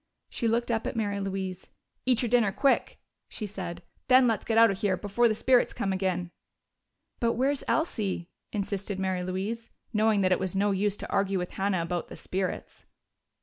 She looked up at Mary Louise. "Eat your dinner quick," she said. "Then let's get out of here, before the spirits come agin!" "But where's Elsie?" insisted Mary Louise, knowing that it was no use to argue with Hannah about the "spirits."